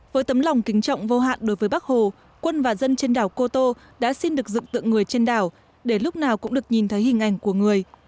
với tấm lòng kính trọng vô hạn đối với bác hồ quân và dân trên đảo cô tô đã xin được dựng tượng người trên đảo để lúc nào cũng được nhìn thấy hình ảnh của người